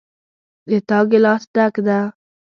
د تا ګلاس ډک ده